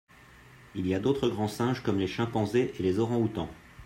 Il y a d'autres grands singes comme les chimpanzés et les orangs-outans.